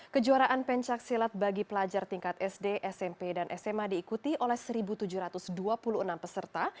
kejuaraan pencaksilat bagi pelajar tingkat sd smp dan sma diikuti oleh satu tujuh ratus dua puluh enam peserta